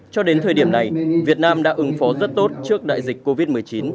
cho đến thời điểm này việt nam đã ứng phó rất tốt trước đại dịch covid một mươi chín